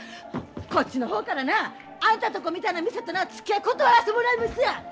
こっちの方からなあんたとこみたいな店となつきあい断らせてもらいますわ！